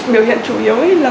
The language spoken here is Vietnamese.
biểu hiện chủ yếu là